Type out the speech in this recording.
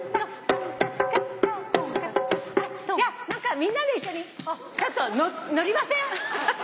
じゃあ何かみんなで一緒にちょっとのりません？